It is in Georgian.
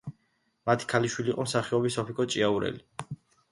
მათი ქალიშვილი იყო მსახიობი სოფიკო ჭიაურელი.